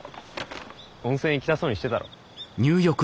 温泉行きたそうにしてたろ。